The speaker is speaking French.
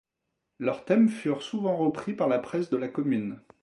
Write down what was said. Leurs thèmes furent souvent repris par la presse de la Commune.